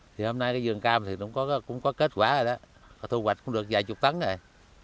thì hôm nay cái vườn cam thì cũng có kết quả rồi đó thu hoạch cũng được vài chục tấn rồi